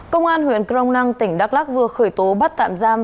công an huyện crong năng tỉnh đắk lắc vừa khởi tố bắt tạm giam